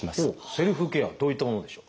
セルフケアどういったものでしょう？